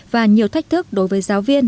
và nhiều thách thức đối với giáo viên